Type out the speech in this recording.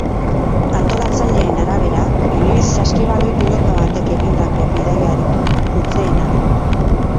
Antolatzaileen arabera, inoiz saskibaloi pilota batek egindako bidaiarik luzeena da.